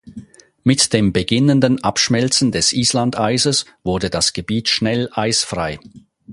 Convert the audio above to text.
Mit dem beginnenden Abschmelzen des Inlandeises wurde das Gebiet schnell eisfrei.